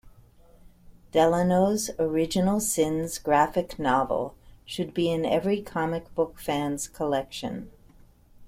Delano's "Original Sins" graphic novel should be in every comic book fan's collection.